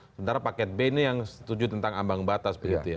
sementara paket b ini yang setuju tentang ambang batas begitu ya